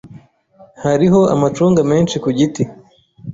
Hariho amacunga menshi ku giti.